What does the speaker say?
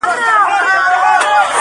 درته ایښي د څپلیو دي رنګونه-!